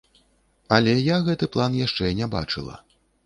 Але я гэты план яшчэ не бачыла.